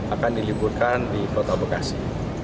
akan diliburkan di kota bekasi